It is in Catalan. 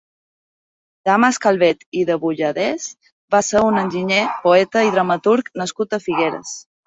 Damas Calvet i de Budallès va ser un enginyer, poeta i dramaturg nascut a Figueres.